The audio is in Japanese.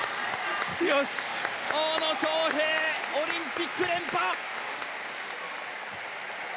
大野将平、オリンピック連覇！